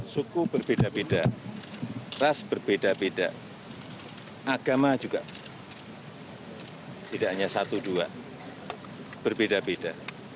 suku berbeda beda ras berbeda beda agama juga tidak hanya satu dua berbeda beda